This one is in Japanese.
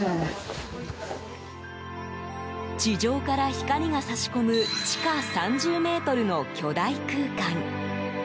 地上から光が差し込む地下３０ｍの巨大空間。